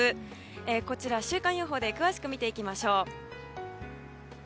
こちら、週間予報で詳しく見ていきましょう。